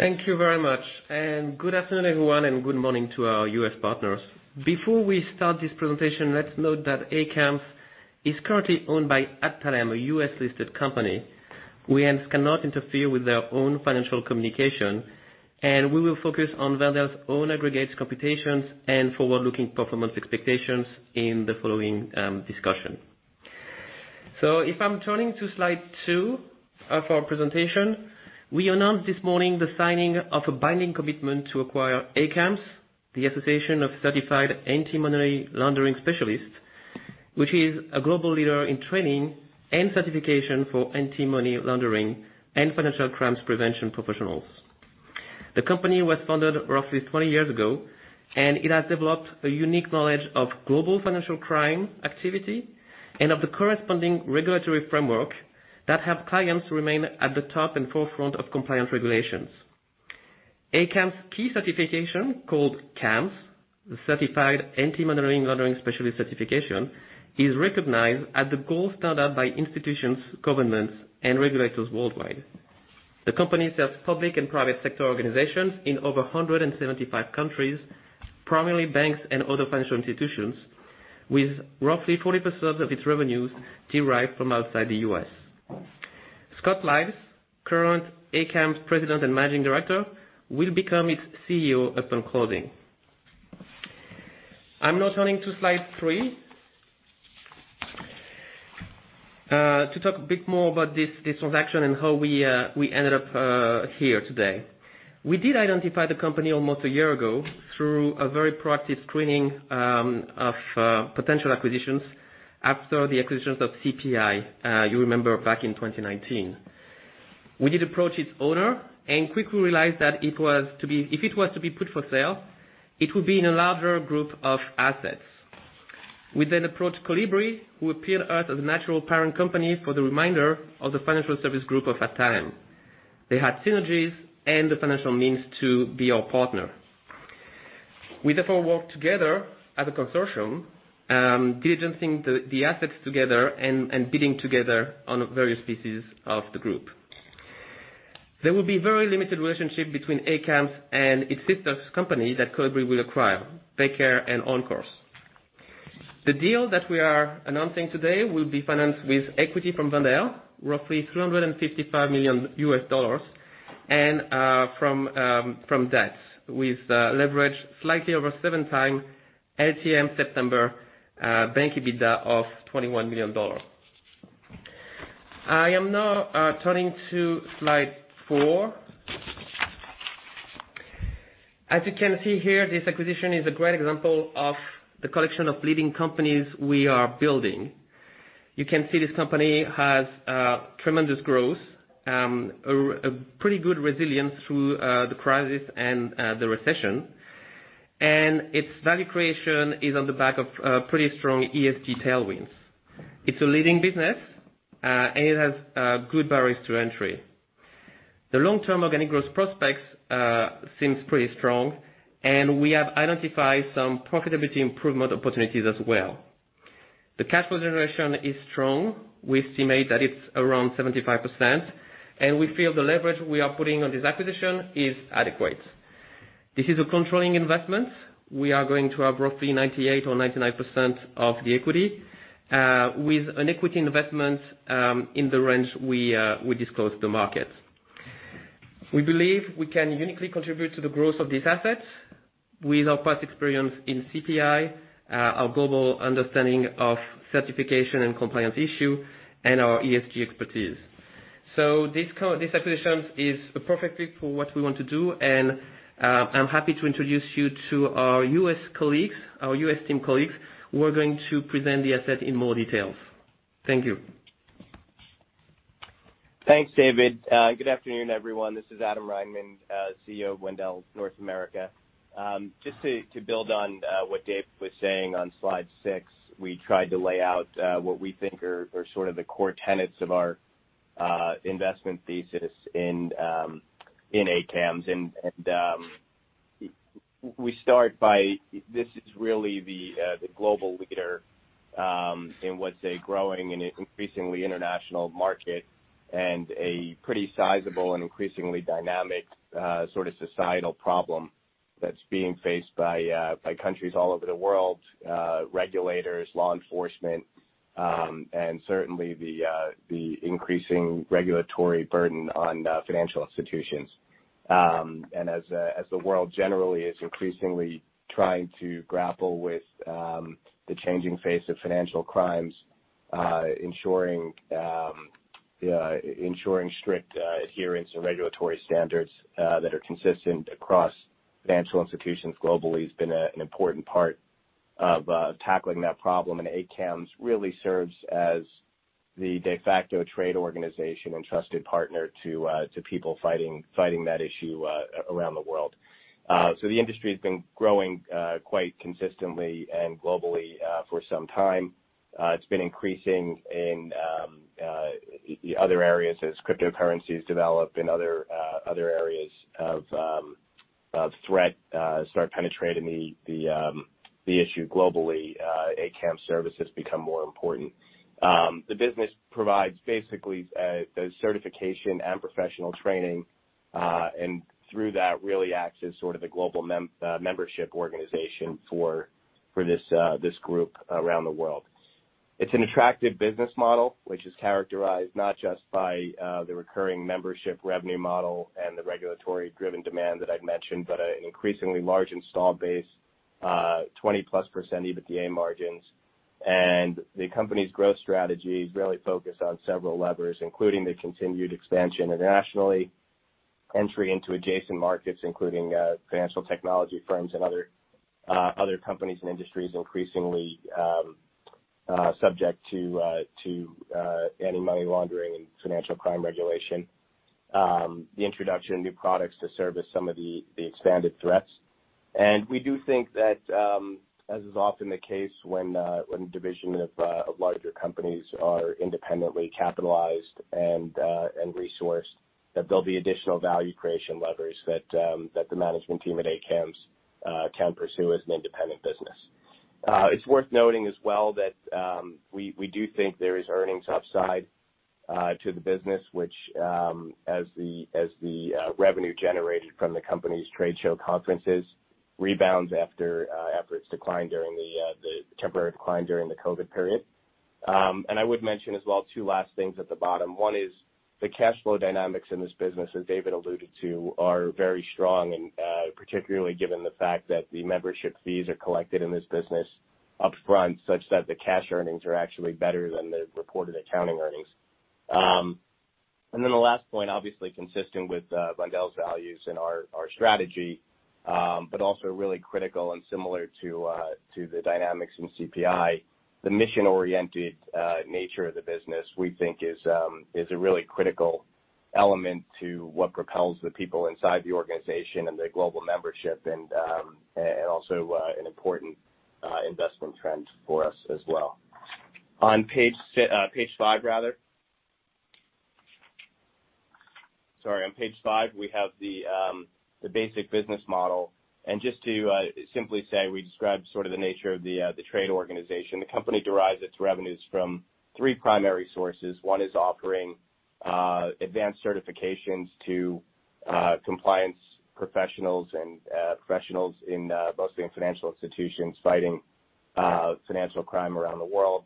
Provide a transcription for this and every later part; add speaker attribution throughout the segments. Speaker 1: Thank you very much, and good afternoon, everyone, and good morning to our U.S. partners. Before we start this presentation, let's note that ACAMS is currently owned by Adtalem, a U.S.-listed company. We hence cannot interfere with their own financial communication, and we will focus on Wendel's own aggregates computations and forward-looking performance expectations in the following discussion. If I'm turning to slide 2 of our presentation, we announced this morning the signing of a binding commitment to acquire ACAMS, the Association of Certified Anti-Money Laundering Specialists, which is a global leader in training and certification for anti-money laundering and financial crimes prevention professionals. The company was founded roughly 20 years ago, and it has developed a unique knowledge of global financial crime activity and of the corresponding regulatory framework that help clients remain at the top and forefront of compliance regulations. ACAMS' key certification, called CAMS, the Certified Anti-Money Laundering Specialist certification, is recognized as the gold standard by institutions, governments, and regulators worldwide. The company serves public and private sector organizations in over 175 countries, primarily banks and other financial institutions, with roughly 40% of its revenues derived from outside the U.S. Scott Liles, current ACAMS President and Managing Director, will become its CEO upon closing. I'm now turning to slide 3 to talk a bit more about this transaction and how we ended up here today. We did identify the company almost a year ago through a very proactive screening of potential acquisitions after the acquisitions of CPI, you remember back in 2019. We did approach its owner and quickly realized that if it was to be put for sale, it would be in a larger group of assets. We then approached Colibri, who appeared to us as a natural parent company for the remainder of the financial service group of Adtalem. They had synergies and the financial means to be our partner. We therefore worked together as a consortium, diligencing the assets together and bidding together on various pieces of the group. There will be very limited relationship between ACAMS and its sister company that Colibri will acquire, Becker and OnCourse. The deal that we are announcing today will be financed with equity from Wendel, roughly $355 million, and from debt, with leverage slightly over 7x LTM September bank EBITDA of $21 million. I am now turning to slide 4. As you can see here, this acquisition is a great example of the collection of leading companies we are building. You can see this company has tremendous growth, a pretty good resilience through the crisis and the recession. Its value creation is on the back of pretty strong ESG tailwinds. It's a leading business, and it has good barriers to entry. The long-term organic growth prospects seems pretty strong, and we have identified some profitability improvement opportunities as well. The cash flow generation is strong. We estimate that it's around 75%, and we feel the leverage we are putting on this acquisition is adequate. This is a controlling investment. We are going to have roughly 98%-99% of the equity with an equity investment in the range we disclose to market. We believe we can uniquely contribute to the growth of these assets with our past experience in CPI, our global understanding of certification and compliance issue, and our ESG expertise. This acquisition is a perfect fit for what we want to do, and I'm happy to introduce you to our U.S. colleagues, our U.S. team colleagues, who are going to present the asset in more details. Thank you.
Speaker 2: Thanks, David. Good afternoon, everyone. This is Adam Reinmann, CEO of Wendel North America. Just to build on what David was saying on slide 6, we tried to lay out what we think are sort of the core tenets of our investment thesis in ACAMS. This is really the global leader in what's a growing and an increasingly international market and a pretty sizable and increasingly dynamic sort of societal problem that's being faced by countries all over the world, regulators, law enforcement, and certainly the increasing regulatory burden on financial institutions. As the world generally is increasingly trying to grapple with the changing face of financial crimes, ensuring strict adherence to regulatory standards that are consistent across financial institutions globally has been an important part of tackling that problem. ACAMS really serves as the de facto trade organization and trusted partner to people fighting that issue around the world. The industry has been growing quite consistently and globally for some time. It's been increasing in other areas as cryptocurrencies develop in other areas of threat start penetrating the issue globally, ACAMS services become more important. The business provides basically the certification and professional training and through that really acts as sort of a global membership organization for this group around the world. It's an attractive business model, which is characterized not just by the recurring membership revenue model and the regulatory driven demand that I've mentioned, but an increasingly large install base, 20%+ EBITDA margins. The company's growth strategy is really focused on several levers, including the continued expansion internationally, entry into adjacent markets, including financial technology firms and other companies and industries increasingly subject to anti-money laundering and financial crime regulation. The introduction of new products to service some of the expanded threats. We do think that, as is often the case when a division of larger companies are independently capitalized and resourced, that there'll be additional value creation levers that the management team at ACAMS can pursue as an independent business. It's worth noting as well that we do think there is earnings upside to the business, which, as the revenue generated from the company's trade show conferences rebounds after its decline during the temporary decline during the COVID period. I would mention as well two last things at the bottom. One is the cash flow dynamics in this business, as David alluded to, are very strong, and particularly given the fact that the membership fees are collected in this business upfront, such that the cash earnings are actually better than the reported accounting earnings. The last point, obviously consistent with Wendel's values and our strategy, but also really critical and similar to the dynamics in CPI. The mission-oriented nature of the business, we think is a really critical element to what propels the people inside the organization and the global membership and also an important investment trend for us as well. On page five, rather. Sorry, on page five, we have the basic business model. Just to simply say, we describe sort of the nature of the trade organization. The company derives its revenues from three primary sources. One is offering advanced certifications to compliance professionals and professionals in mostly in financial institutions fighting financial crime around the world.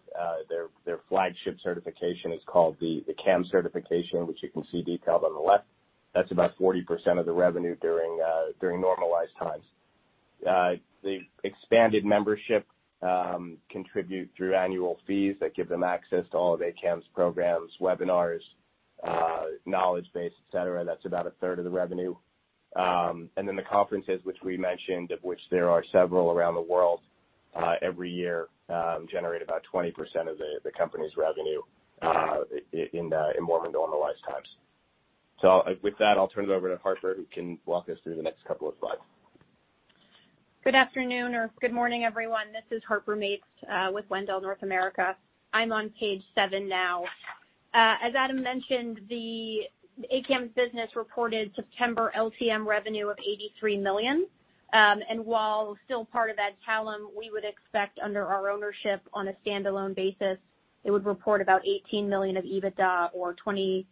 Speaker 2: Their flagship certification is called the CAMS certification, which you can see detailed on the left. That's about 40% of the revenue during normalized times. The expanded membership contribute through annual fees that give them access to all of ACAMS programs, webinars, knowledge base, et cetera. That's about a third of the revenue. The conferences which we mentioned, of which there are several around the world every year, generate about 20% of the company's revenue in more normalized times. With that, I'll turn it over to Harper, who can walk us through the next couple of slides.
Speaker 3: Good afternoon or good morning, everyone. This is Harper Mates with Wendel North America. I'm on page 7 now. As Adam mentioned, the ACAMS business reported September LTM revenue of $83 million. While still part of Adtalem, we would expect under our ownership on a standalone basis, it would report about $18 million of EBITDA or 20%+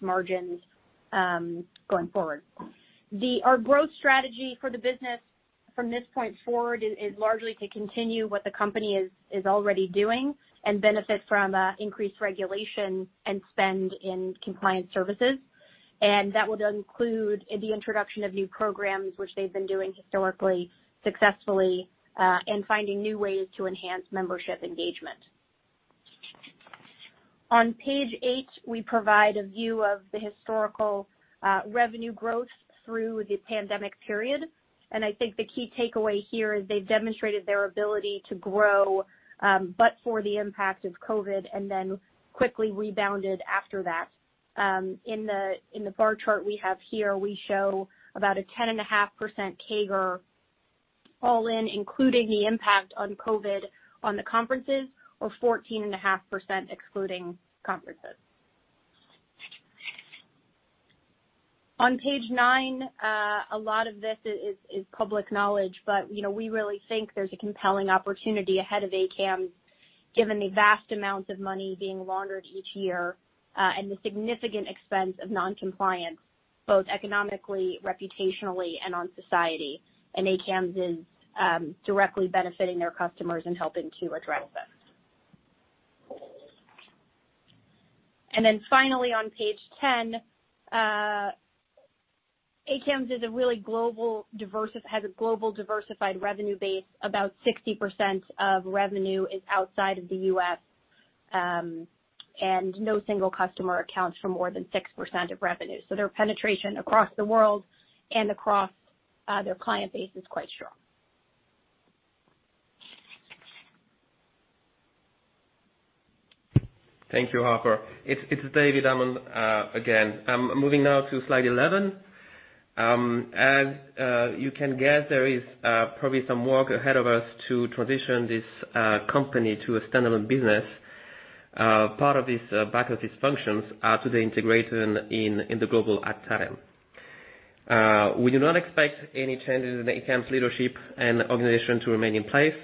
Speaker 3: margins going forward. Our growth strategy for the business from this point forward is largely to continue what the company is already doing and benefit from increased regulation and spend in compliance services. That will include the introduction of new programs, which they've been doing historically, successfully, and finding new ways to enhance membership engagement. On page 8, we provide a view of the historical revenue growth through the pandemic period. I think the key takeaway here is they've demonstrated their ability to grow, but for the impact of COVID and then quickly rebounded after that. In the bar chart we have here, we show about a 10.5% CAGR all in, including the impact of COVID on the conferences, or 14.5% excluding conferences. On page nine, a lot of this is public knowledge, but, you know, we really think there's a compelling opportunity ahead of ACAMS given the vast amounts of money being laundered each year, and the significant expense of non-compliance, both economically, reputationally, and on society. Then finally, on page ten, ACAMS has a really global diversified revenue base. About 60% of revenue is outside of the U.S., and no single customer accounts for more than 6% of revenue. Their penetration across the world and across their client base is quite strong.
Speaker 1: Thank you, Harper. It's David Darmon again. I'm moving now to slide 11. As you can guess, there is probably some work ahead of us to transition this company to a standalone business. Part of this, back office functions are to be integrated in the global Adtalem. We do not expect any changes in the ACAMS leadership and organization to remain in place.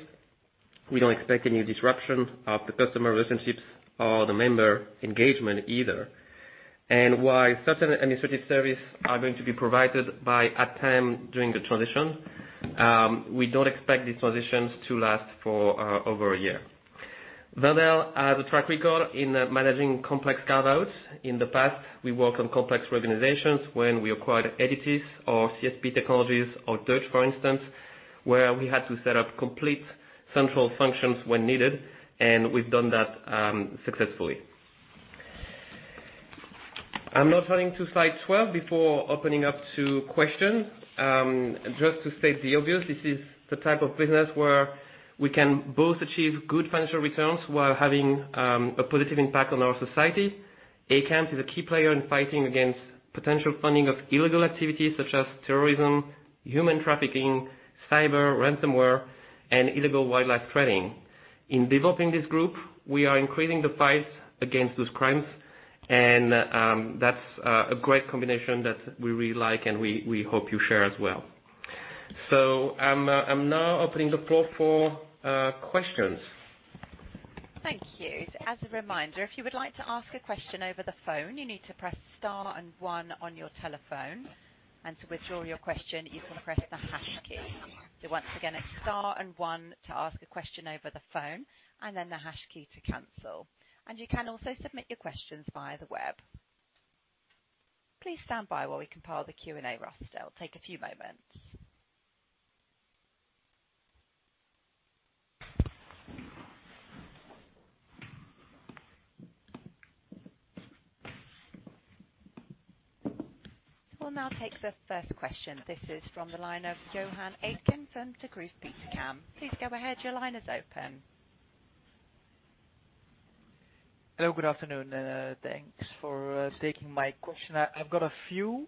Speaker 1: We don't expect any disruption of the customer relationships or the member engagement either. While certain administrative service are going to be provided by Adtalem during the transition, we don't expect these transitions to last for over a year. Wendel has a track record in managing complex carve-outs. In the past, we worked on complex reorganizations when we acquired Editis or CSP Technologies or Tsebo, for instance, where we had to set up complete central functions when needed, and we've done that successfully. I'm now turning to slide 12 before opening up to questions. Just to state the obvious, this is the type of business where we can both achieve good financial returns while having a positive impact on our society. ACAMS is a key player in fighting against potential funding of illegal activities such as terrorism, human trafficking, cyber, ransomware, and illegal wildlife trading. In developing this group, we are increasing the fight against those crimes, and that's a great combination that we really like, and we hope you share as well. I'm now opening the floor for questions.
Speaker 4: Thank you. As a reminder, if you would like to ask a question over the phone, you need to press star and one on your telephone, and to withdraw your question, you can press the hash key. Once again, it's star and one to ask a question over the phone and then the hash key to cancel. You can also submit your questions via the web. Please stand by while we compile the Q&A roster. It'll take a few moments. We'll now take the first question. This is from the line of Joren Van Aken from Degroof Petercam. Please go ahead. Your line is open.
Speaker 5: Hello, good afternoon. Thanks for taking my question. I've got a few.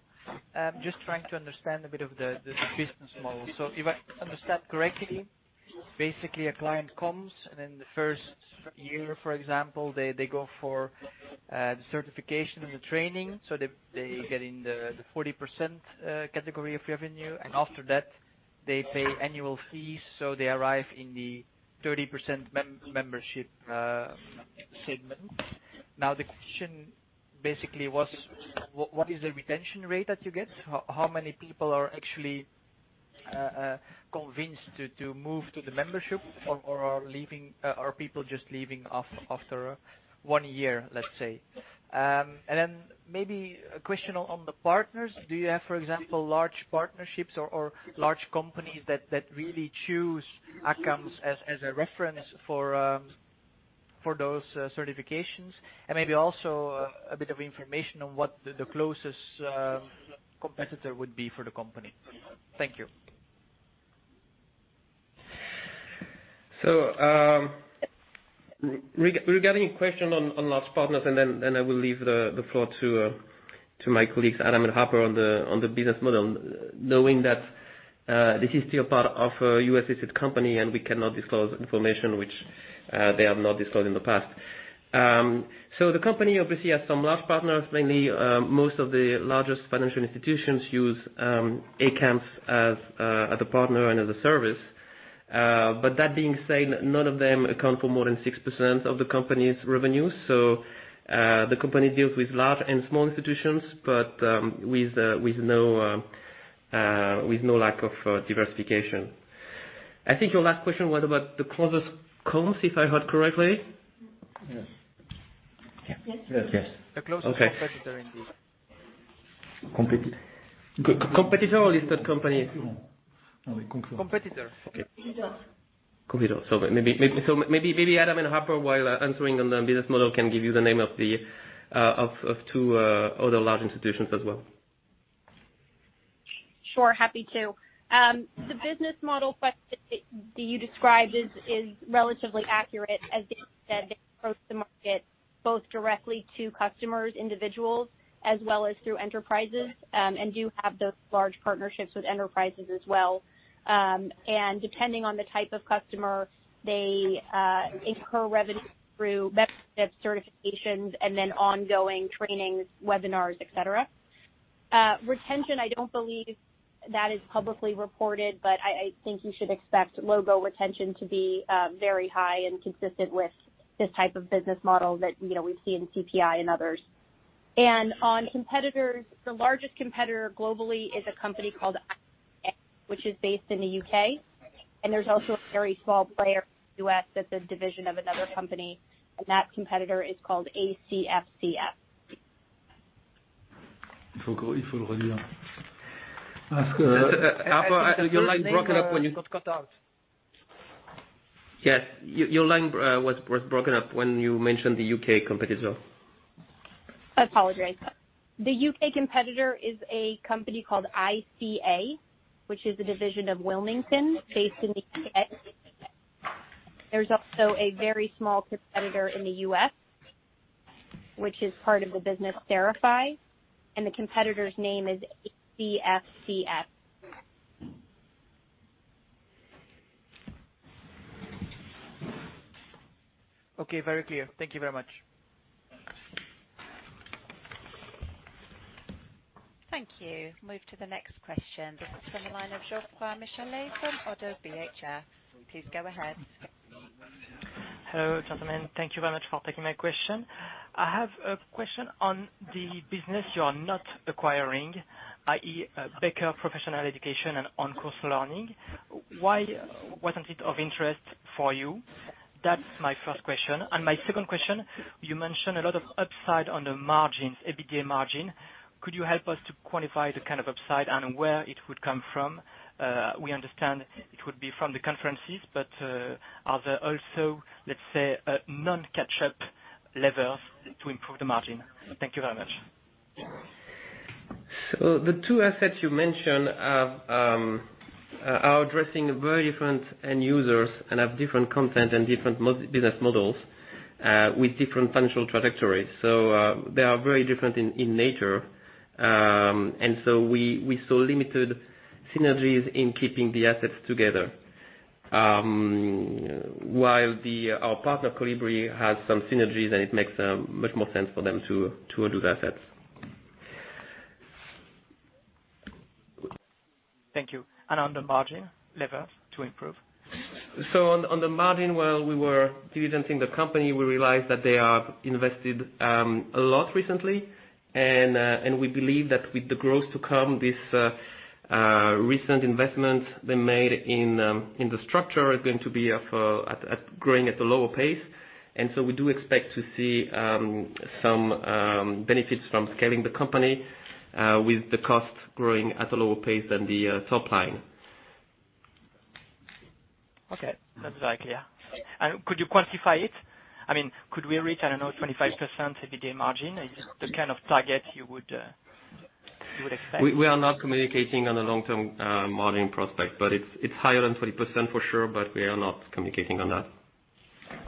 Speaker 5: Just trying to understand a bit of the business model. If I understand correctly, basically a client comes and in the first year, for example, they go for the certification and the training, so they get in the 40% category of revenue. After that, they pay annual fees, so they arrive in the 30% membership segment. Now, the question basically was what is the retention rate that you get? How many people are actually convinced to move to the membership or are leaving? Are people just leaving after one year, let's say? Then maybe a question on the partners. Do you have, for example, large partnerships or large companies that really choose ACAMS as a reference for those certifications? Maybe also a bit of information on what the closest competitor would be for the company. Thank you.
Speaker 1: Regarding your question on large partners, and then I will leave the floor to my colleagues, Adam and Harper, on the business model, knowing that this is still part of a U.S.-listed company and we cannot disclose information which they have not disclosed in the past. The company obviously has some large partners, mainly, most of the largest financial institutions use ACAMS as a partner and as a service. That being said, none of them account for more than 6% of the company's revenue. The company deals with large and small institutions, but with no lack of diversification. I think your last question was about the closest comps, if I heard correctly.
Speaker 3: Yes.
Speaker 1: Yes.
Speaker 3: Yes.
Speaker 5: The closest competitor in the
Speaker 2: Competi-
Speaker 1: Competitor or listed company?
Speaker 5: No, competitor.
Speaker 2: Competitor.
Speaker 1: Okay.
Speaker 3: Competitor.
Speaker 1: Maybe Adam and Harper, while answering on the business model, can give you the name of the two other large institutions as well.
Speaker 3: Sure, happy to. The business model question that you described is relatively accurate. As David said, they approach the market both directly to customers, individuals, as well as through enterprises, and do have those large partnerships with enterprises as well. Depending on the type of customer, they incur revenue through membership certifications and then ongoing trainings, webinars, et cetera. Retention, I don't believe that is publicly reported, but I think you should expect logo retention to be very high and consistent with this type of business model that, you know, we see in CPI and others. On competitors, the largest competitor globally is a company called ICA, which is based in the U.K. There's also a very small player in the U.S. that's a division of another company, and that competitor is called ACFCS.
Speaker 1: Harper, your line is broken up when you Got cut out.
Speaker 5: Yes. Your line was broken up when you mentioned the U.K. competitor.
Speaker 3: I apologize. The U.K. competitor is a company called ICA, which is a division of Wilmington based in the U.K. There's also a very small competitor in the U.S., which is part of the business VettaFi, and the competitor's name is ACFCS.
Speaker 5: Okay, very clear. Thank you very much.
Speaker 4: Thank you. Move to the next question. This is from the line of from ODDO BHF. Please go ahead. Hello, gentlemen. Thank you very much for taking my question. I have a question on the business you are not acquiring, i.e., Becker Professional Education and OnCourse Learning. Why wasn't it of interest for you? That's my first question. My second question, you mentioned a lot of upside on the margins, EBITDA margin. Could you help us to quantify the kind of upside and where it would come from? We understand it would be from the conferences, but, are there also, let's say, a non-catch-up levers to improve the margin? Thank you very much.
Speaker 1: The two assets you mentioned are addressing very different end users and have different content and different business models with different financial trajectories. They are very different in nature. We saw limited synergies in keeping the assets together. While our partner, Colibri, has some synergies, and it makes much more sense for them to own those assets.
Speaker 6: Thank you. On the margin levers to improve?
Speaker 1: On the margin, while we were due diligence-ing the company, we realized that they are invested a lot recently. We believe that with the growth to come, this recent investments they made in the structure is going to be growing at a lower pace. We do expect to see some benefits from scaling the company with the costs growing at a lower pace than the top line.
Speaker 6: Okay. That's very clear. Could you quantify it? I mean, could we reach, I don't know, 25% EBITDA margin? Is this the kind of target you would expect?
Speaker 1: We are not communicating on the long-term margin prospect, but it's higher than 20% for sure, but we are not communicating on that.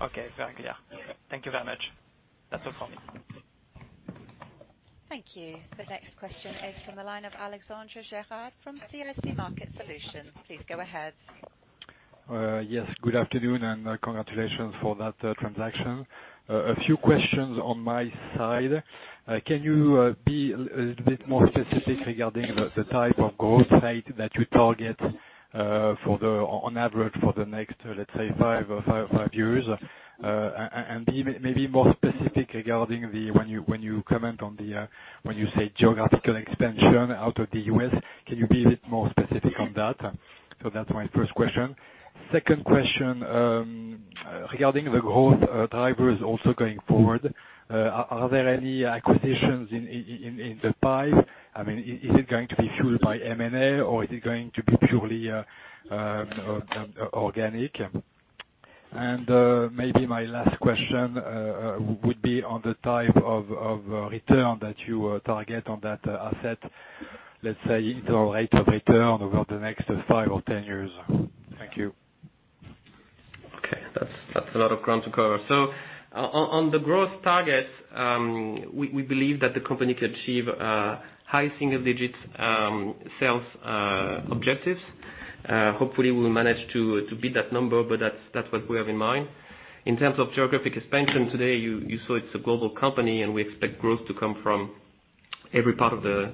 Speaker 6: Okay. Very clear. Thank you very much. That's all for me.
Speaker 4: Thank you. The next question is from the line of Alexandre Gérard from CIC Market Solutions. Please go ahead.
Speaker 7: Yes. Good afternoon, and congratulations for that transaction. A few questions on my side. Can you be a little bit more specific regarding the type of growth rate that you target on average for the next, let's say, five years? And be maybe more specific regarding when you comment on when you say geographical expansion out of the U.S., can you be a bit more specific on that? That's my first question. Second question, regarding the growth drivers also going forward, are there any acquisitions in the pipe? I mean, is it going to be fueled by M&A, or is it going to be purely organic? Maybe my last question would be on the type of return that you target on that asset, let's say, internal rate of return over the next five or ten years? Thank you.
Speaker 1: Okay. That's a lot of ground to cover. On the growth target, we believe that the company can achieve high single digits sales objectives. Hopefully we'll manage to beat that number, but that's what we have in mind. In terms of geographic expansion, today, you saw it's a global company, and we expect growth to come from every part of the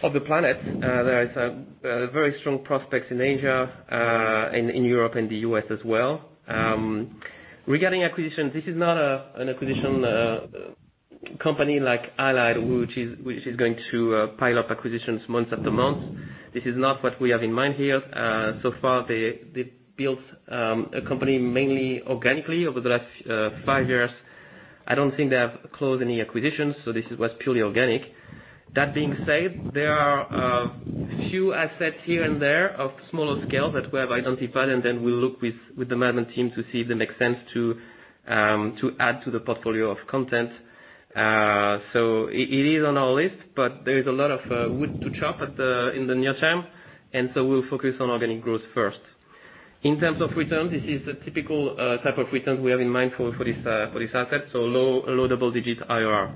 Speaker 1: planet. There is a very strong prospects in Asia, in Europe, and the U.S. as well. Regarding acquisitions, this is not an acquisition company like Allied, which is going to pile up acquisitions months after months. This is not what we have in mind here. So far they built a company mainly organically over the last five years. I don't think they have closed any acquisitions, so this was purely organic. That being said, there are a few assets here and there of smaller scale that we have identified, and then we'll look with the management team to see if they make sense to add to the portfolio of content. It is on our list, but there is a lot of wood to chop in the near term, and we'll focus on organic growth first. In terms of returns, this is a typical type of returns we have in mind for this asset, so low double digits IRR.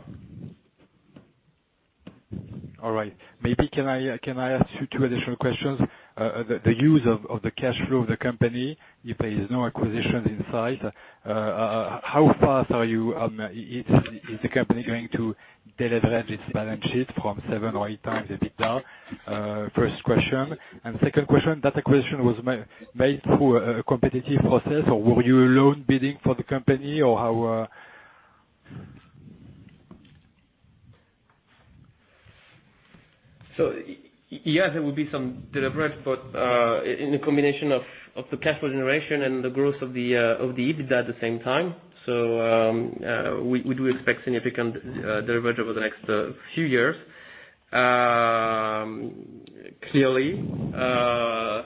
Speaker 7: All right. Maybe I can ask you two additional questions? The use of the cash flow of the company if there is no acquisitions in sight, how fast is the company going to de-leverage its balance sheet from 7x or 8x the EBITDA? First question. Second question, that acquisition was made through a competitive process, or were you alone bidding for the company, or how?
Speaker 1: Yes, there will be some de-leverage, but in a combination of the cash flow generation and the growth of the EBITDA at the same time. We do expect significant de-leverage over the next few years, clearly.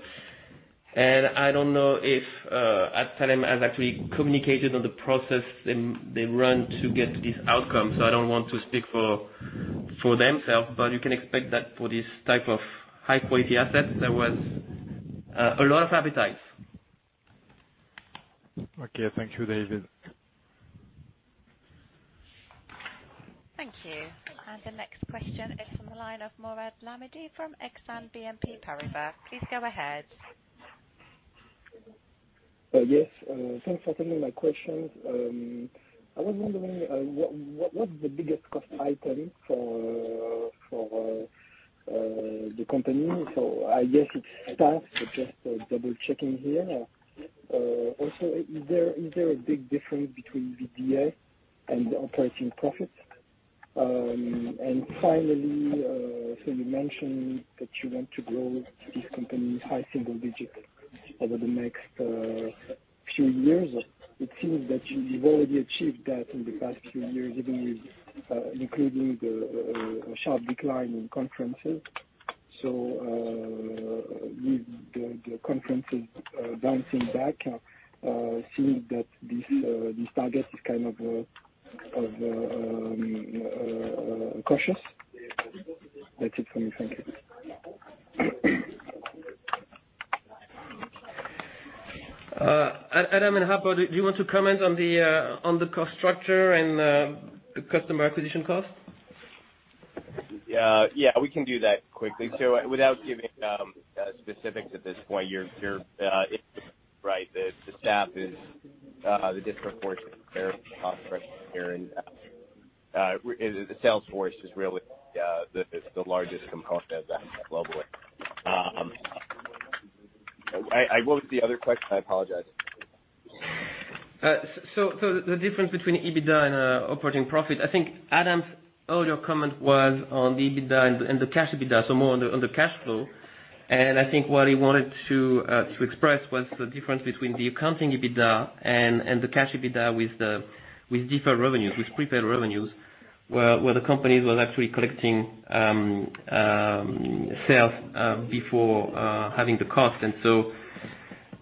Speaker 1: I don't know if Adtalem has actually communicated on the process they run to get to this outcome. I don't want to speak for themselves, but you can expect that for this type of high-quality asset, there was a lot of appetite.
Speaker 7: Okay. Thank you, David.
Speaker 4: Thank you. The next question is from the line of Mourad Lahmidi from Exane BNP Paribas. Please go ahead.
Speaker 8: Yes, thanks for taking my questions. I was wondering, what's the biggest cost item for the company. I guess it's staff, but just double checking here. Also, is there a big difference between EBITDA and operating profits? Finally, you mentioned that you want to grow this company high single digits over the next few years. It seems that you've already achieved that in the past few years, even with including the sharp decline in conferences. With the conferences bouncing back, seeing that this target is kind of cautious. That's it from me. Thank you.
Speaker 1: Adam and Harper, do you want to comment on the cost structure and the customer acquisition cost?
Speaker 2: Yeah, we can do that quickly. Without giving specifics at this point, you're right. The staff is the disproportionate share of cost here, and the sales force is really the largest component of that globally. I missed the other question, I apologize.
Speaker 1: The difference between EBITDA and operating profit. I think Adam's earlier comment was on the EBITDA and the cash EBITDA, so more on the cash flow. I think what he wanted to express was the difference between the accounting EBITDA and the cash EBITDA with deferred revenues, with prepaid revenues, where the company was actually collecting sales before having the cost.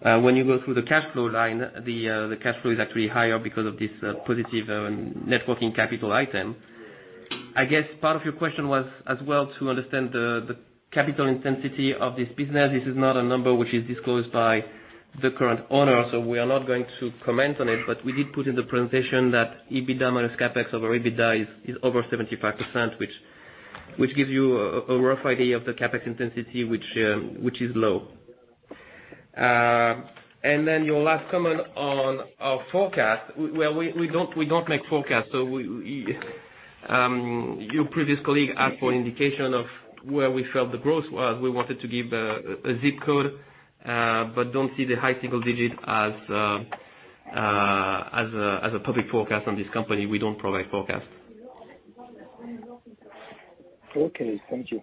Speaker 1: When you go through the cash flow line, the cash flow is actually higher because of this positive working capital item. I guess part of your question was as well to understand the capital intensity of this business. This is not a number which is disclosed by the current owner, so we are not going to comment on it. We did put in the presentation that EBITDA minus CapEx over EBITDA is over 75%, which gives you a rough idea of the CapEx intensity, which is low. Then your last comment on our forecast. We don't make forecasts. Your previous colleague asked for indication of where we felt the growth was. We wanted to give a zip code, but don't see the high single digit as a public forecast on this company. We don't provide forecasts.
Speaker 8: Okay, thank you.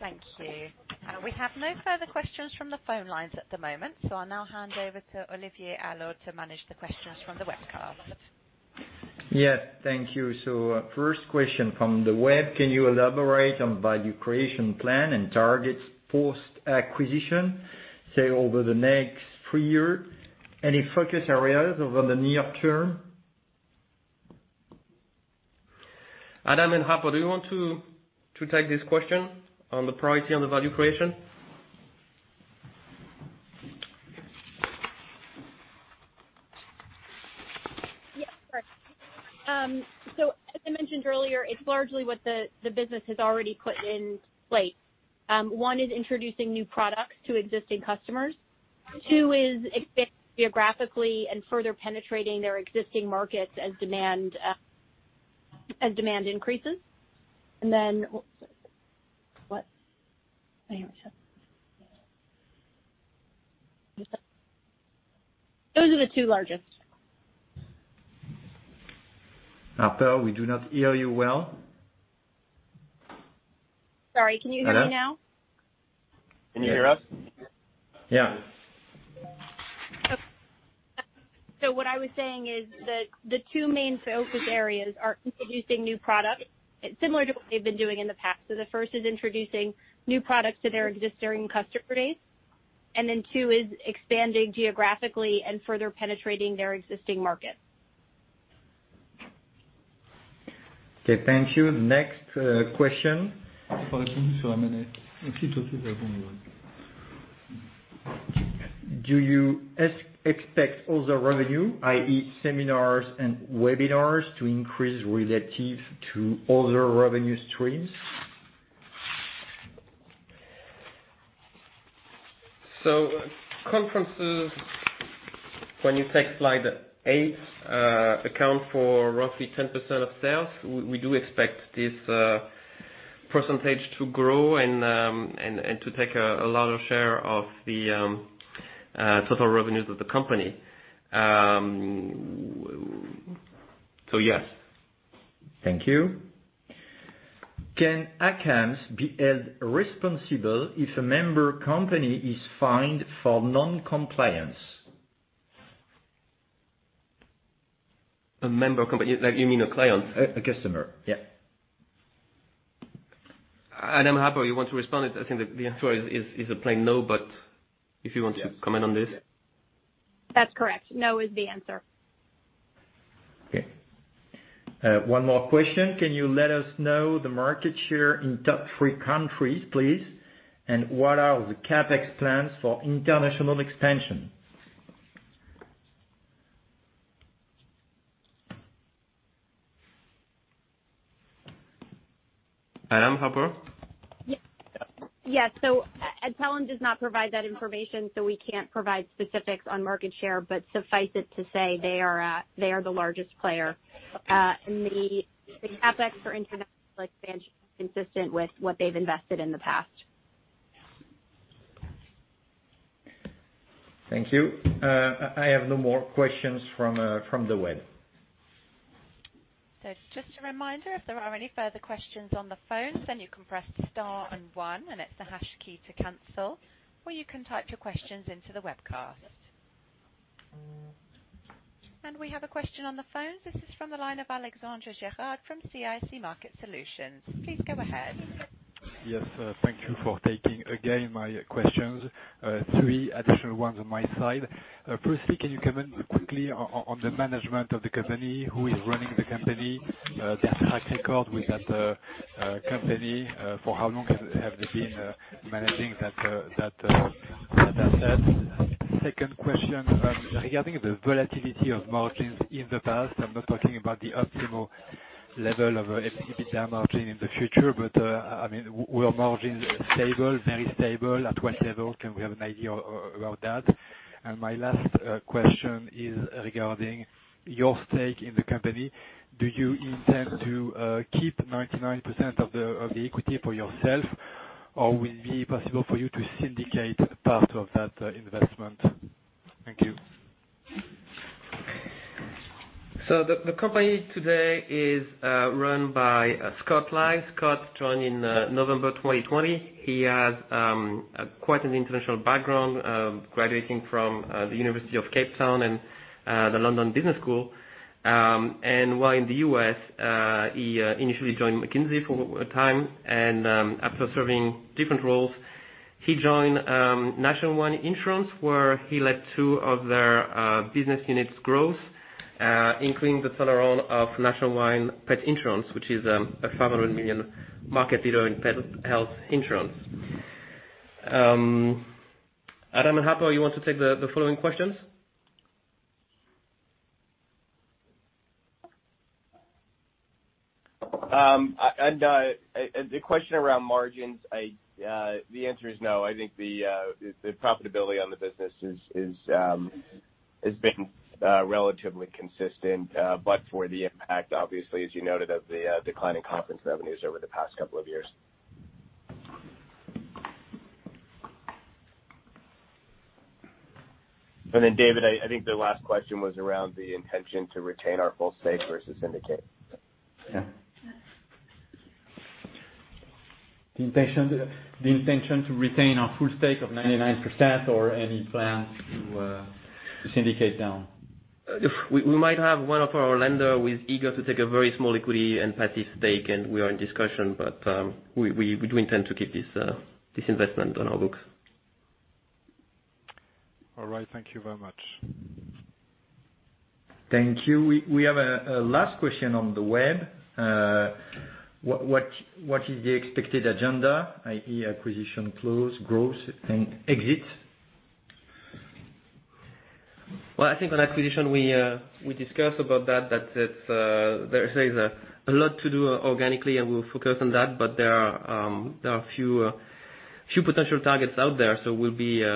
Speaker 4: Thank you. We have no further questions from the phone lines at the moment, so I'll now hand over to Olivier Allot to manage the questions from the webcast.
Speaker 9: Yes. Thank you. First question from the web: Can you elaborate on value creation plan and targets post-acquisition, say, over the next three years? Any focus areas over the near-term? Adam and Harper, do you want to take this question on the priorities in the value creation?
Speaker 3: Yes. As I mentioned earlier, it's largely what the business has already put in place. One is introducing new products to existing customers. Two is expand geographically and further penetrating their existing markets as demand increases. Those are the two largest.
Speaker 1: Harper, we do not hear you well.
Speaker 3: Sorry. Can you hear me now?
Speaker 2: Can you hear us?
Speaker 1: Yeah.
Speaker 3: What I was saying is that the two main focus areas are introducing new products, similar to what we've been doing in the past. The first is introducing new products to their existing customer base. Two is expanding geographically and further penetrating their existing markets.
Speaker 9: Okay, thank you. Next question. Do you expect other revenue, i.e., seminars and webinars, to increase relative to other revenue streams?
Speaker 1: Conferences, when you take slide eight, account for roughly 10% of sales. We do expect this percentage to grow and to take a larger share of the total revenues of the company. Yes. Thank you.
Speaker 9: Can ACAMS be held responsible if a member company is fined for non-compliance?
Speaker 2: A member company. Like, you mean a client?
Speaker 9: A customer. Yeah.
Speaker 1: Adam, Harper, you want to respond? I think the answer is a plain no, but if you want to comment on this.
Speaker 3: That's correct. No is the answer.
Speaker 1: Okay.
Speaker 9: One more question. Can you let us know the market share in top three countries, please? And what are the CapEx plans for international expansion? Adam, Harper?
Speaker 3: Adtalem does not provide that information, so we can't provide specifics on market share. Suffice it to say they are the largest player. The CapEx for international expansion is consistent with what they've invested in the past.
Speaker 9: Thank you. I have no more questions from the web.
Speaker 4: Just a reminder, if there are any further questions on the phone, then you can press star and one, and it's the hash key to cancel, or you can type your questions into the webcast. We have a question on the phone. This is from the line of Alexandre Gérard from CIC Market Solutions. Please go ahead.
Speaker 7: Yes. Thank you for taking, again, my questions. Three additional ones on my side. Firstly, can you comment quickly on the management of the company? Who is running the company? Their track record with that company? For how long have they been managing that asset? Second question, regarding the volatility of margins in the past, I'm not talking about the optimal level of EBITDA margin in the future, but I mean, were margins stable? Very stable? At what level can we have an idea about that? My last question is regarding your stake in the company. Do you intend to keep 99% of the equity for yourself? Or will it be possible for you to syndicate part of that investment? Thank you.
Speaker 1: The company today is run by Scott Liles. Scott joined in November 2020. He has quite an international background, graduating from the University of Cape Town and the London Business School. While in the U.S., he initially joined McKinsey for a time and, after serving different roles, he joined Nationwide Insurance, where he led two of their business units growth, including the turnaround of Nationwide Pet Insurance, which is a $500 million market leader in pet health insurance. Adam and Harper, you want to take the following questions?
Speaker 2: The question around margins, the answer is no. I think the profitability on the business has been relatively consistent, but for the impact, obviously, as you noted, of the declining conference revenues over the past couple of years.
Speaker 9: Then, David, I think the last question was around the intention to retain our full stake versus syndicate.
Speaker 1: Yeah. The intention to retain our full stake of 99% or any plans to syndicate down? We might have one of our lender who is eager to take a very small equity and passive stake, and we are in discussion. We do intend to keep this investment on our books.
Speaker 7: All right. Thank you very much.
Speaker 9: Thank you. We have a last question on the web. What is the expected agenda, i.e. acquisition close, growth and exit?
Speaker 1: Well, I think on acquisition, we discussed about that it's there is a lot to do organically, and we'll focus on that. There are a few potential targets out there, so we'll be in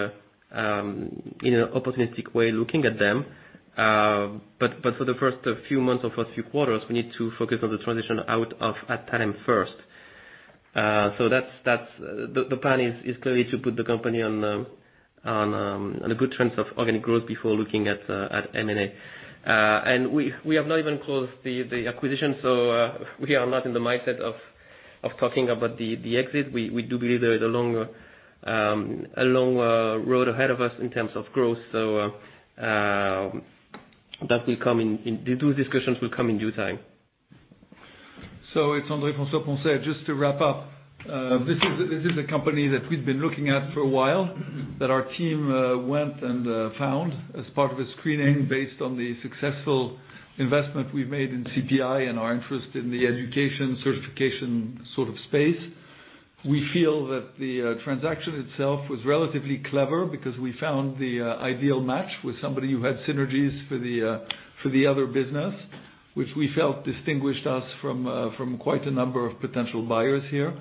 Speaker 1: an opportunistic way looking at them. For the first few months or first few quarters, we need to focus on the transition out of Adtalem first. The plan is clearly to put the company on a good trend of organic growth before looking at M&A. We have not even closed the acquisition, so we are not in the mindset of talking about the exit. We do believe there is a long road ahead of us in terms of growth. Discussions will come in due time.
Speaker 10: It's André François-Poncet. Just to wrap up, this is a company that we've been looking at for a while, that our team went and found as part of a screening based on the successful investment we've made in CPI and our interest in the education certification sort of space. We feel that the transaction itself was relatively clever because we found the ideal match with somebody who had synergies for the other business, which we felt distinguished us from quite a number of potential buyers here.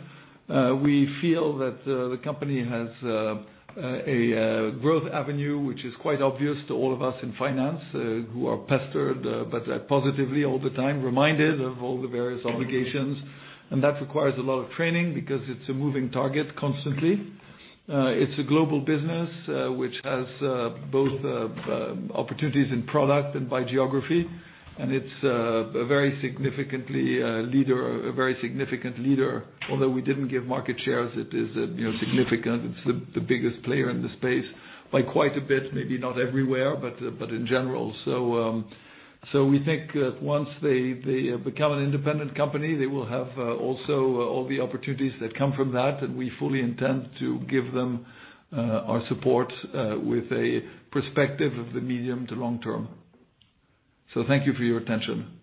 Speaker 10: We feel that the company has a growth avenue, which is quite obvious to all of us in finance, who are pestered but positively all the time reminded of all the various obligations. That requires a lot of training because it's a moving target constantly. It's a global business, which has opportunities in product and by geography. It's a very significant leader. Although we didn't give market shares, it is, you know, significant. It's the biggest player in the space by quite a bit, maybe not everywhere, but in general. We think that once they become an independent company, they will have also all the opportunities that come from that, and we fully intend to give them our support with a perspective of the medium to long term. Thank you for your attention.